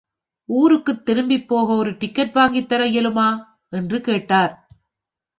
ஊருக்குத் திரும்பிப் போக ஒரு டிக்கெட் வாங்கித் தர இயலுமா? என்று கேட்டார்.